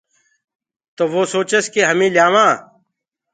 تو وو سوچس ڪي همي ليآوآنٚ